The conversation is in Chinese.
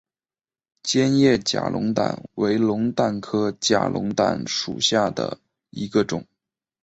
尖叶假龙胆为龙胆科假龙胆属下的一个种。